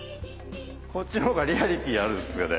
こっちの方がリアリティーあるっすよね。